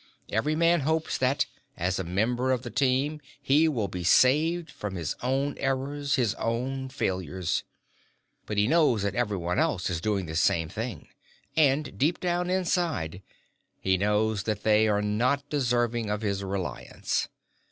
Every man hopes that, as a member of the Team, he will be saved from his own errors, his own failures. But he knows that everyone else is doing the same thing, and, deep down inside, he knows that they are not deserving of his reliance.